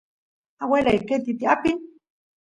aguelay qenti apin